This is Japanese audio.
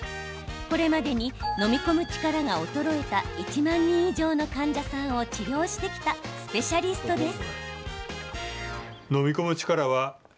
これまでに飲み込む力が衰えた１万人以上の患者さんを治療してきたスペシャリストです。